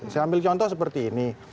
saya ambil contoh seperti ini